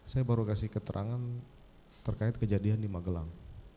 saya baru kasih keterangan terkait kejadian di magelang